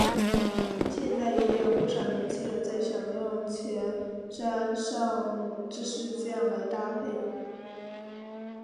现在也有不少年轻人在享用前沾上芝士酱来搭配。